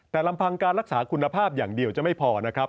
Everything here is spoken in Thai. แต่ลำพังการรักษาคุณภาพอย่างเดียวจะไม่พอนะครับ